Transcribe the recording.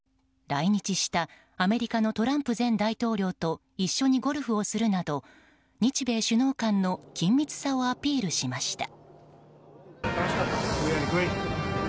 来日したアメリカのトランプ前大統領と一緒にゴルフをするなど日米首脳間の緊密さをアピールしました。